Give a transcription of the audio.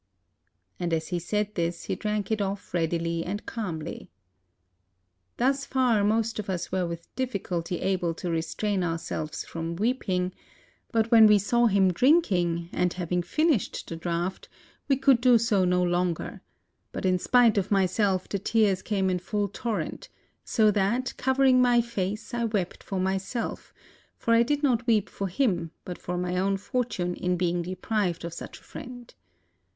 And as he said this, he drank it off readily and calmly. Thus far, most of us were with difficulty able to restrain ourselves from weeping, but when we saw him drinking, and having finished the draught, we could do so no longer; but in spite of myself the tears came in full torrent, so that, covering my face, I wept for myself, for I did not weep for him, but for my own fortune in being deprived of such a friend.